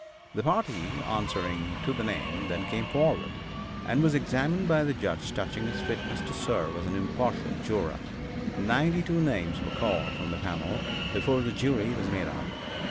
The party answering to the name then came forward and was examined by the judge touching his fitness to serve as an impartial juror. Ninety two names were called from the panel before the jury was made up.